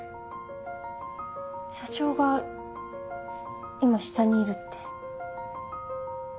社長が今下にいるって。